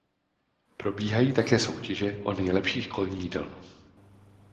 Probíhají také soutěže o nejlepší školní jídelnu.